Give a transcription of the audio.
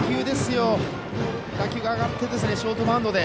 打球が上がってショートバウンドで。